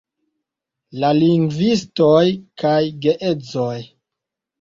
La lingvistoj kaj geedzoj